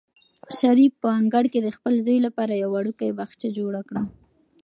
شریف په انګړ کې د خپل زوی لپاره یو وړوکی باغچه جوړه کړه.